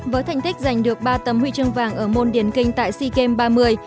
với thành tích giành được ba tấm huy chương vàng ở môn điển kinh tại sea games ba mươi